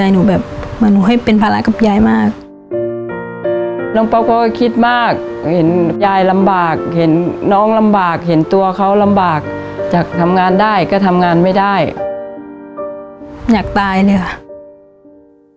ก็คิดมากเห็นยายลำบากเห็นน้องลำบากเห็นตัวเขารำบากจากทำงานได้ก็ทำงานไม่ได้อยากตายเลยอ่ะ